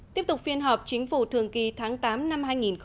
tiếp tục phiên họp chính phủ thường kỳ tháng tám năm hai nghìn một mươi sáu